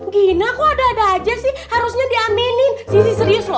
gina kok ada ada aja sih harusnya diaminin sisi serius loh